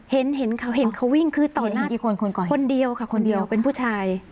เห็นเขาเห็นเขาวิ่งคือตอนนั้นเห็นกี่คนก่อเหตุคนเดียวค่ะคนเดียวเป็นผู้ชาย